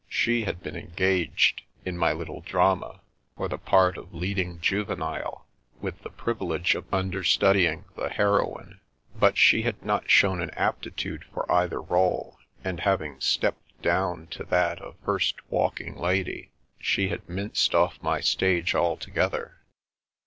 She had been engaged, in my little drama, for the part of '^ leading juvenile," with the privilege of understudying the 321 322 The Princess Passes heroine. But she had not shown an aptitude for either role, and having stepped down to that of first walking lady, she had minced off my stage alto gether.